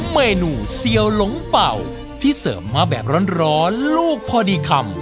เมนูเซียวหลงเป่าที่เสริมมาแบบร้อนลูกพอดีคำ